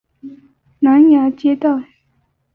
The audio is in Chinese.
南阳街道